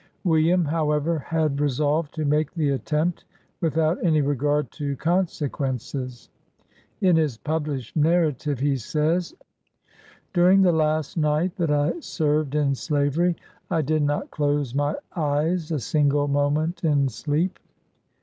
William, however, had re solved to make the attempt, without any regard to consequences. In his published narrative he says: —" During the last night that I served in slavery, I did not close my eyes a single moment in sleep.